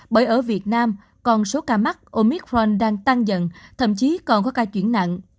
bởi ở việt nam còn số ca mắc omithron đang tăng dần thậm chí còn có ca chuyển nặng